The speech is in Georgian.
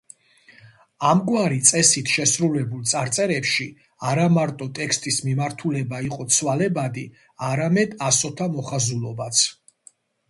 ამგვარი წესით შესრულებულ წარწერებში არა მარტო ტექსტის მიმართულება იყო ცვალებადი, არამედ ასოთა მოხაზულობაც.